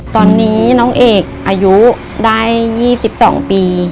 ตอนนี้น้องเอกอายุได้๒๒ปี